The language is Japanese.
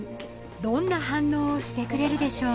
どんな反応をしてくれるでしょう